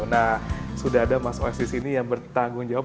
nah sudah ada mas osis ini yang bertanggung jawab